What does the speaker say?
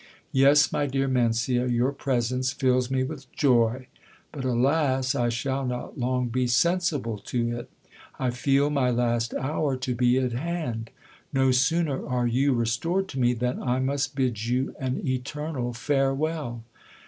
Yes, my dear Mencia, your presence fills me with joy : but, alas ! I shall not long be sensible to it. I feel my last hour to be at hand. No sooner are you restored to me, than I must bid you an eternal farewell.